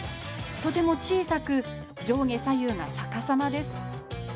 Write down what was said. とても小さく上下左右が逆さまです。